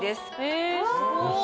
えっすごい。